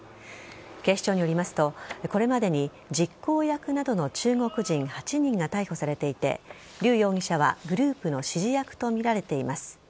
警視庁によりますとこれまでに実行役などの中国人８人が逮捕されていてリュウ容疑者はグループの指示役とみられています。